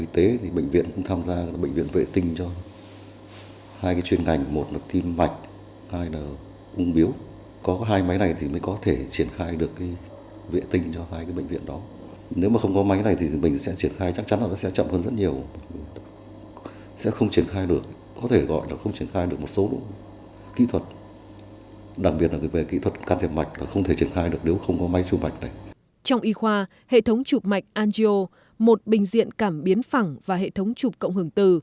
trong y khoa hệ thống chụp mạch angio một bình diện cảm biến phẳng và hệ thống chụp cộng hưởng từ